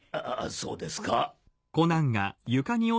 そうですか？